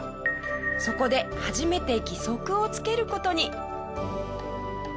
そこで初めて義足をつける事に。